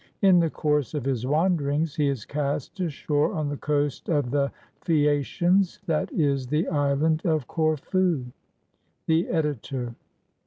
In the course of his wanderings he is cast ashore on the coast of the Phaeacians, that is, the island of Corfu. The Editor.